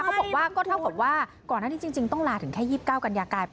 แต่ก็ถูกว่าก่อนนั้นจริงต้องลาถึงแค่๒๙กันยากาย